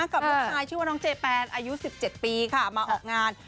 กับลูกชายชื่อว่าน้องเจแปนอายุ๑๗ปีค่ะมาออกงาน